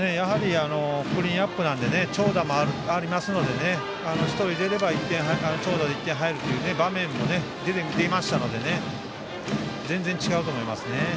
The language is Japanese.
クリーンナップなので長打もありますので１人が出れば長打で１点入る場面も出ましたので全然違うと思いますね。